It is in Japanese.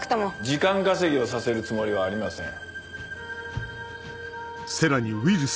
時間稼ぎをさせるつもりはありません。